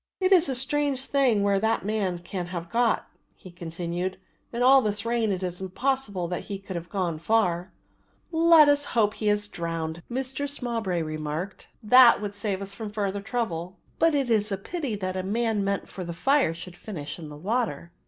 "It is a strange thing where that man can have got," he continued; "in all this rain it is impossible that he can have gone far." "Let us hope he is drowned," Mistress Mowbray remarked; "that would save us further trouble, but it is a pity that a man meant for the fire should finish in the water."